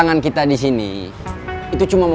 gue kasih tau sesuatu sama lo